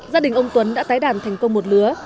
gia đình ông tuấn đã tái đàn thành công một lứa